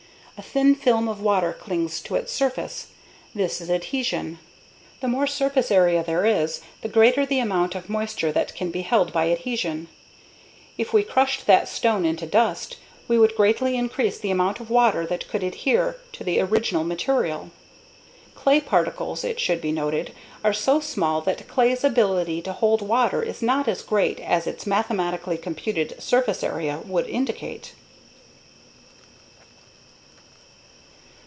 A thin film of water clings to its surface. This is adhesion. The more surface area there is, the greater the amount of moisture that can be held by adhesion. If we crushed that stone into dust, we would greatly increase the amount of water that could adhere to the original material. Clay particles, it should be noted, are so small that clay's ability to hold water is not as great as its mathematically computed surface area would indicate.